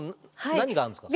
何があるんですか？